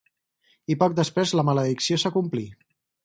I poc després la maledicció s'acomplí.